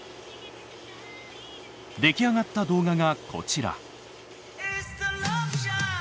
出来上がった動画がこちら。